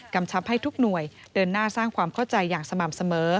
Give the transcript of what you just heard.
ชับให้ทุกหน่วยเดินหน้าสร้างความเข้าใจอย่างสม่ำเสมอ